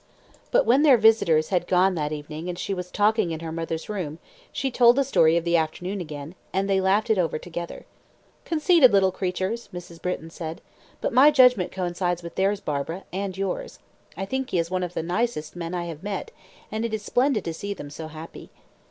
But when their visitors had gone that evening and she was talking in her mother's room, she told the story of the afternoon again, and they laughed over it together. "Conceited little creatures," Mrs. Britton said. "But my judgment coincides with theirs, Barbara and yours. I think he is one of the nicest men I have met, and it is splendid to see them so happy."